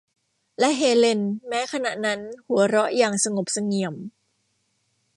และเฮเลน แม้ขณะนั้น หัวเราะอย่างสงบเสงี่ยม